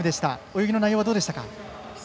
泳ぎの内容はどうでしたか。